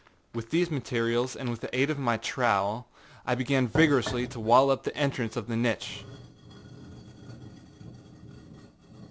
With these materials and with the aid of my trowel, I began vigorously to wall up the entrance of the niche.